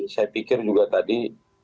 saya pikir juga tadi